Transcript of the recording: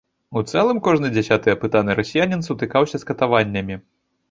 У цэлым кожны дзясяты апытаны расіянін сутыкаўся з катаваннямі.